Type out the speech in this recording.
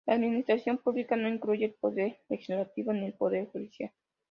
La Administración Pública no incluye el Poder Legislativo ni el Poder Judicial.